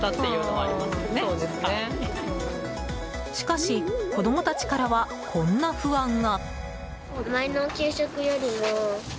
しかし、子供たちからはこんな不安が。